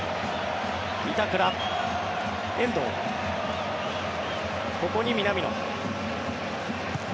板倉、遠藤、ここに南野。